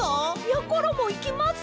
やころもいきます！